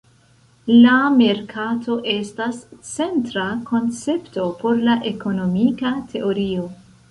La merkato estas centra koncepto por la ekonomika teorio.